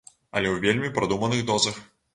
Але ў вельмі прадуманых дозах.